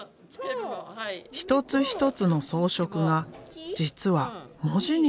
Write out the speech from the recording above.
一つ一つの装飾が実は文字になっているのだ。